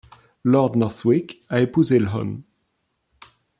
Lord Northwick a épousé l'hon.